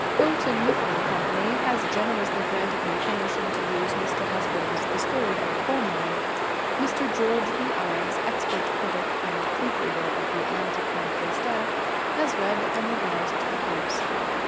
Houghton Mifflin Company has generously granted me permission to use Mr. Husband's 'The Story of a Coal Mine.' Mr. George B. Ives, expert critic and proof reader, of the Atlantic Monthly staff, has read and revised the proofs.